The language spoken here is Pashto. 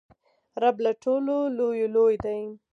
رب له ټولو لویو لوی دئ.